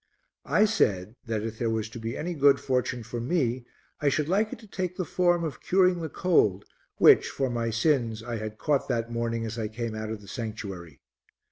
I said that if there was to be any good fortune for me I should like it to take the form of curing the cold which, for my sins, I had caught that morning as I came out of the sanctuary.